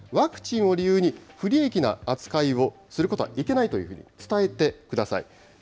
まずは職場にワクチンを理由に不利益の扱いをすることはいけないというふうに伝えてください。